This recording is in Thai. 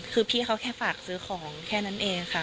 คือพี่เขาแค่ฝากซื้อของแค่นั้นเองค่ะ